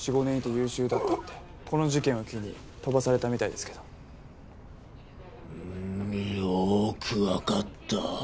４５年いて優秀だったってこの事件を機に飛ばされたみたいですけどうんよく分かったー